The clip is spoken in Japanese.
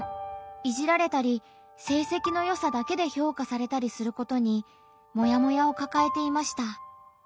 いじられたり成績のよさだけで評価されたりすることにモヤモヤをかかえていました。